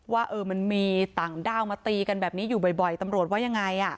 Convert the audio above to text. ว่ามันมีต่างด้าวมาตีกันแบบนี้อยู่บ่อยตำรวจว่ายังไง